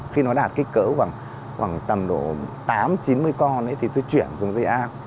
khi nó đạt kích cỡ khoảng tầm độ tám chín mươi con thì tôi chuyển dùng dây ao